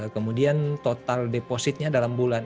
kemudian total depositnya dalam bulan